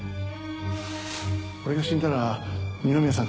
俺が死んだら二宮さん